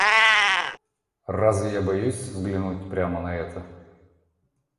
Разве я боюсь взглянуть прямо на это?